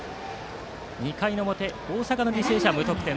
２回の表大阪・履正社は無得点。